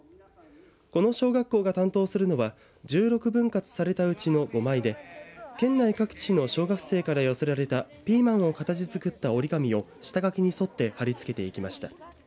この小学校が担当するのは１６分割されたうちの５枚で県内各地の小学生から寄せられたピーマンを形づくった折り紙を下書きに沿って貼り付けていきました。